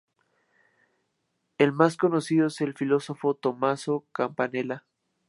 El más conocido es el filósofo Tommaso Campanella.